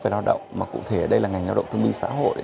về lao động mà cụ thể ở đây là ngành lao động thương minh xã hội